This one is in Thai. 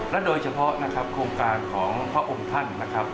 และโดยเฉพาะนะครับโครงการของพระองค์ท่านนะครับ